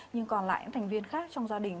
nhưng còn lại những thành viên khác trong gia đình